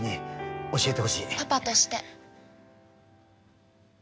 パパとして。